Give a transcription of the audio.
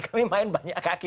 kami main banyak kaki